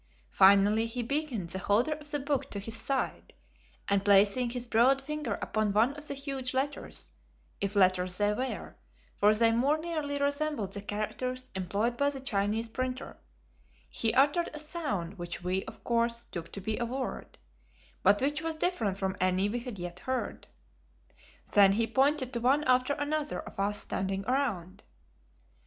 Finally he beckoned the holder of the book to his side, and placing his broad finger upon one of the huge letters if letters they were, for they more nearly resembled the characters employed by the Chinese printer he uttered a sound which we, of course, took to be a word, but which was different from any we had yet heard. Then he pointed to one after another of us standing around.